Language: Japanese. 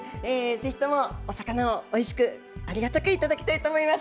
ぜひとも、お魚をおいしく、ありがたく頂きたいと思います。